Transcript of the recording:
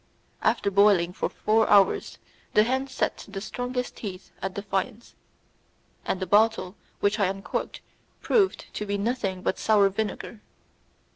After boiling for four hours the hen set the strongest teeth at defiance, and the bottle which I uncorked proved to be nothing but sour vinegar.